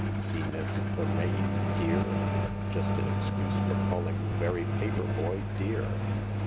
See, miss ?— the rain Dear. Just an excuse for calling the very paper boy ' Dear.'